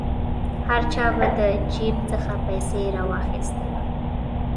هر چا به د جیب څخه پیسې را واخیستلې.